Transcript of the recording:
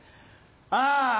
ああ！